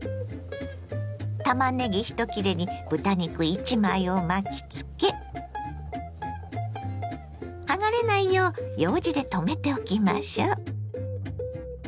たまねぎ１切れに豚肉１枚を巻きつけ剥がれないようようじでとめておきましょ。